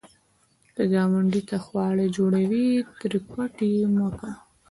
که ګاونډي ته خواړه جوړوې، ترې پټ یې مه کوه